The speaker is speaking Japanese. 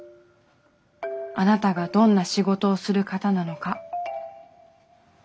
あなたがどんな仕事をする方なのか。